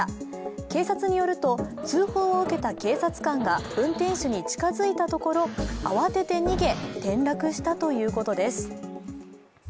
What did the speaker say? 警察によると、通報を受けた警察官が運転手に近づいたところ慌てて逃げ、転落したということです。